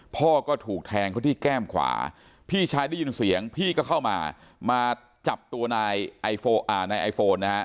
พ่อก็ถูกแทงเขาที่แก้มขวาพี่ชายได้ยินเสียงพี่ก็เข้ามามาจับตัวนายไอโฟนนะฮะ